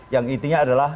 yang intinya adalah